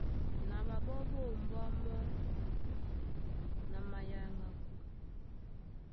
Na ɓaɓɔ́ ɓá ombwá mɔ́ na mayaŋako.